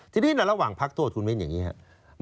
ทีนี้ในระหว่างพักโทษคุณมิ้นอย่างนี้ครับ